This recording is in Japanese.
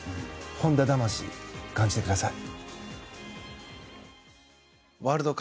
本田魂、感じてください。